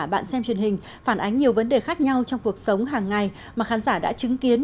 bạn xem truyền hình phản ánh nhiều vấn đề khác nhau trong cuộc sống hàng ngày mà khán giả đã chứng kiến